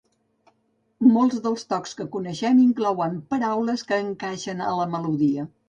Molts dels tocs que coneixem inclouen paraules que encaixen a la melodia.